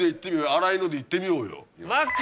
新井のでいってみようよ。